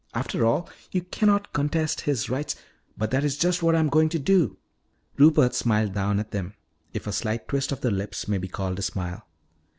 After all, you cannot contest his rights " "But that is just what I am going to do." Rupert smiled down at them, if a slight twist of the lips may be called a smile.